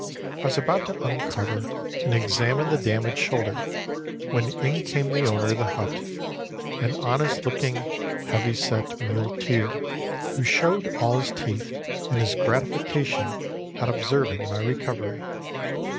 I was about to uncover and examine the damaged shoulder, when in came the owner of the hut, an honest looking, heavy set muleteer, who showed all his teeth in his gratification at observing my recovery.